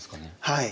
はい。